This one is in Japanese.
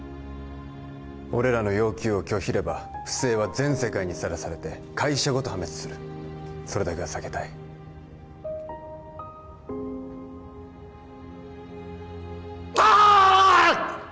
俺らの要求を拒否れば不正は全世界にさらされて会社ごと破滅するそれだけは避けたいああっ！